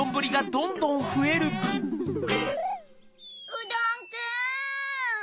うどんくん！